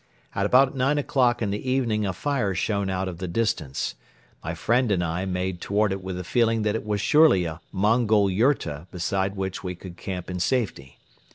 At about nine o'clock in the evening a fire shone out of the distance. My friend and I made toward it with the feeling that it was surely a Mongol yurta beside which we could camp in safety.